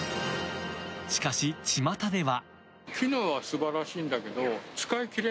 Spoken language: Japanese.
しかし、ちまたでは。